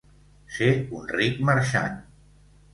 Ser un ric marxant.